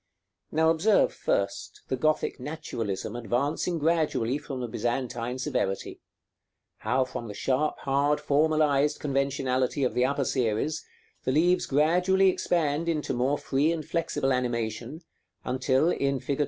Now observe, first, the Gothic naturalism advancing gradually from the Byzantine severity; how from the sharp, hard, formalized conventionality of the upper series the leaves gradually expand into more free and flexible animation, until in fig.